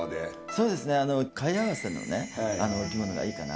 そうですね貝合わせのお着物がいいかなって。